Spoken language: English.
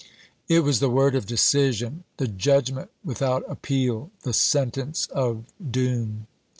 It was the word of decision, the judgment without appeal, the sentence of doom.